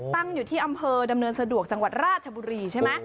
ตั้งอยู่ที่อำเภอดำเนินสะดวกจังหวัดราชบุรีใช่ไหม